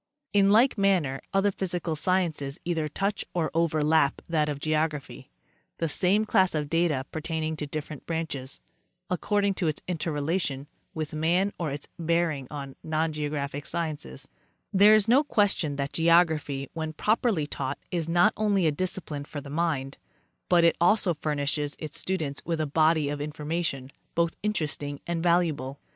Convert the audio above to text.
In like manner other physical sciences either touch or overlap that of geography, the same class of data pertaining to different branches, according to its interrelation with man or its bearing on non geographic sciences. There is no question that geography, when properly taught, is not only a discipline for the mind, but it also furnishes its stu dents with a body of information both interesting and valuable. 202 A. W. Greely—Annual Address.